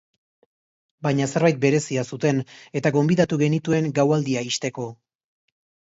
Baina zerbait berezia zuten, eta gonbidatu genituen gaualdia ixteko.